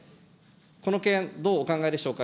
この件、どうお考えでしょうか。